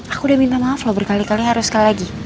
aku udah minta maaf loh berkali kali harus sekali lagi